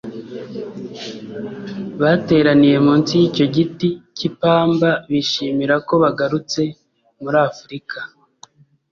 bateraniye munsi y icyo giti cy ipamba bishimira ko bagarutse muri Afurika